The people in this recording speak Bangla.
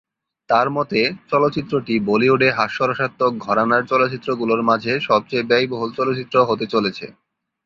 তাঁর মতে, চলচ্চিত্রটি বলিউডে হাস্যরসাত্মক ঘরানার চলচ্চিত্রগুলোর মাঝে সবচেয়ে ব্যয়বহুল চলচ্চিত্র হতে চলেছে।